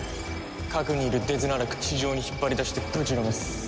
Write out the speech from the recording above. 核にいるデズナラク地上に引っ張り出してぶちのめす。